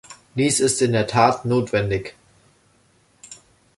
Dies ist in der Tat notwendig.